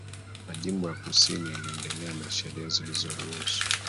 majimbo ya kusini yaliendelea na sheria zilizoruhusu